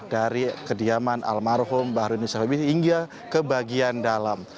dari kediaman almarhum pak harudin yusuf habibie hingga ke bagian dalam